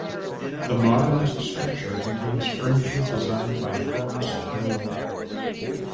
The Modernist structure contains furniture designed by Florence Knoll.